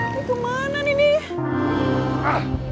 dia kemana nih